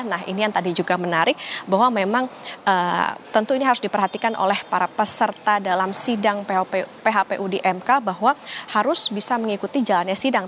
nah ini yang tadi juga menarik bahwa memang tentu ini harus diperhatikan oleh para peserta dalam sidang phpu di mk bahwa harus bisa mengikuti jalannya sidang